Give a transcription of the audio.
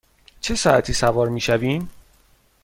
چه ساعتی سوار می شویم؟